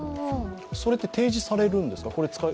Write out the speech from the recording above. それって提示されるんですか？